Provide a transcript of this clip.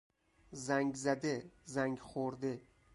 زنگ زده، زنگ خورده